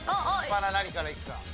何からいくか。